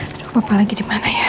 tidurnya papa lagi dimana ya